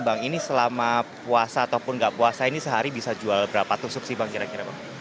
bang ini selama puasa ataupun nggak puasa ini sehari bisa jual berapa tusuk sih bang kira kira bang